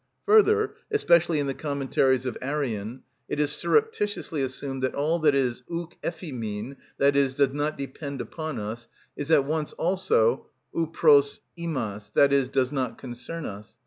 Further, especially in the commentaries of Arrian, it is surreptitiously assumed that all that is ουκ εφ᾽ ἡμιν (i.e., does not depend upon us) is at once also ου προς ἡμας (i.e., does not concern us).